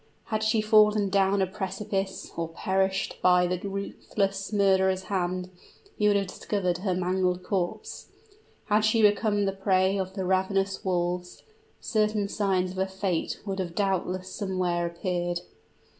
Had she fallen down a precipice, or perished by the ruthless murderer's hand, he would have discovered her mangled corpse: had she become the prey of the ravenous wolves, certain signs of her fate would have doubtless somewhere appeared.